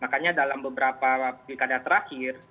makanya dalam beberapa pilkada terakhir